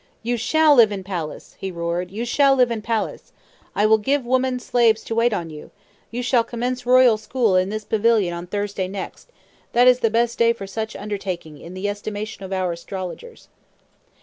"You shall live in palace," he roared, "you _shall _live in palace! I will give woman slaves to wait on you. You shall commence royal school in this pavilion on Thursday next. That is the best day for such undertaking, in the estimation of our astrologers."